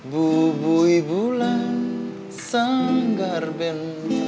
bubui bulan seenggar ben